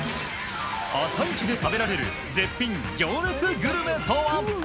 朝市で食べられる絶品行列グルメとは？